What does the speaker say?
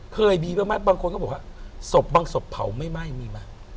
เคยมีบางคนบอกว่าสบบ้างสบเผาไม่ไหม้มีไหม